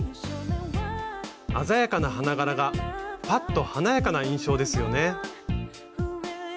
鮮やかな花柄がパッと華やかな印象ですよね。